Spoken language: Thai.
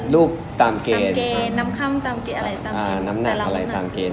แนะนำข้มอะไรตามเกณฑ์